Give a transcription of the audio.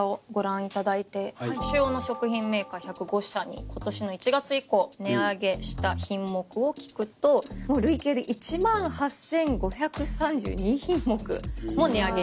主要の食品メーカー１０５社に今年の１月以降値上げした品目を聞くと累計で１万８５３２品目も値上げ。